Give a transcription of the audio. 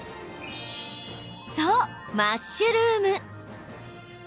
そう、マッシュルーム。